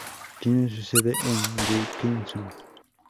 Tiene su sede en Dickinson.